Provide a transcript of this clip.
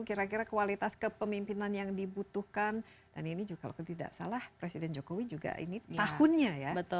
kira kira kualitas kepemimpinan yang dibutuhkan dan ini juga kalau tidak salah presiden jokowi juga ini tahunnya ya